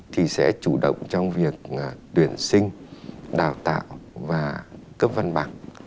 thì sẽ chủ động trong việc tuyển sinh đào tạo và cấp văn bằng